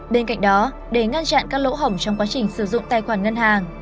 bên cạnh đó để ngăn chặn các lỗ hổng trong quá trình sử dụng tài khoản ngân hàng